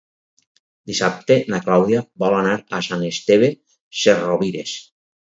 Dissabte na Clàudia vol anar a Sant Esteve Sesrovires.